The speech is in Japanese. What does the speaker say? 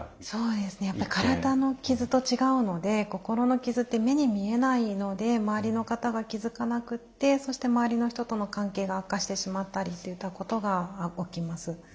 そうですねやっぱり体の傷と違うので心の傷って目に見えないので周りの方が気付かなくってそして周りの人との関係が悪化してしまったりっていったことが起きます。